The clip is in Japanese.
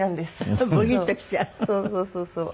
そうそうそうそう。